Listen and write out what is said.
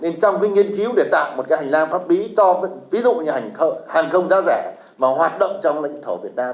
nên trong cái nghiên cứu để tạo một cái hành lang pháp lý cho ví dụ như hàng công giá rẻ mà hoạt động trong lãnh thổ việt nam